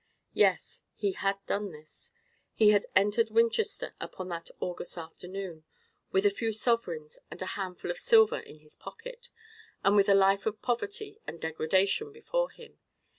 Yes, he had done this. He had entered Winchester upon that August afternoon, with a few sovereigns and a handful of silver in his pocket, and with a life of poverty and degradation, before him.